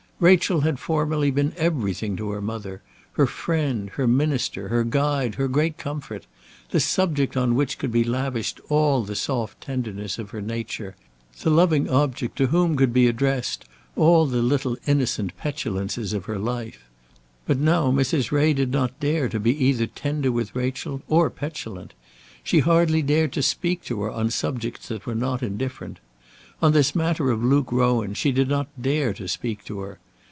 Rachel had formerly been everything to her mother; her friend, her minister, her guide, her great comfort; the subject on which could be lavished all the soft tenderness of her nature, the loving object to whom could be addressed all the little innocent petulances of her life. But now Mrs. Ray did not dare to be either tender with Rachel, or petulant. She hardly dared to speak to her on subjects that were not indifferent. On this matter of Luke Rowan she did not dare to speak to her.